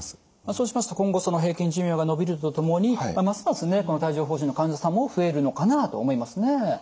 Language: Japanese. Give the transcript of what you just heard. そうしますと今後平均寿命が延びるとともにますますね帯状ほう疹の患者さんも増えるのかなと思いますね。